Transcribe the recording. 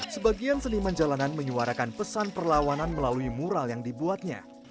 sebagian seniman jalanan menyuarakan pesan perlawanan melalui mural yang dibuatnya